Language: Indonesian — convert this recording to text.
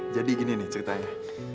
jadi gini nih ceritanya